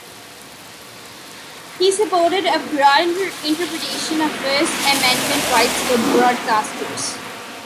He supported a broad interpretation of First Amendment rights for broadcasters.